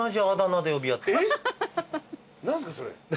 何すかそれ。